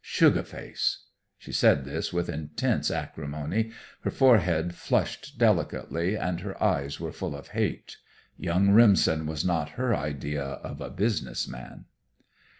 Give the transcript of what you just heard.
Sugar face!" She said this with intense acrimony. Her forehead flushed delicately, and her eyes were full of hate. Young Remsen was not her idea of a "business man."